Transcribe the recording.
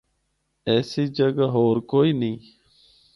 ایسی جگہ ہور کوئی نیں۔